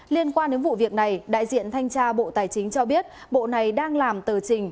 liên quan đến vụ việc này đại diện thanh tra bộ tài chính cho biết bộ này đang làm tờ trình